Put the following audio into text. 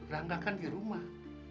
rangga kan di rumah